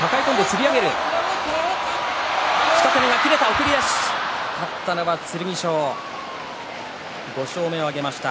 送り出し、勝ったのは剣翔５勝目を挙げました。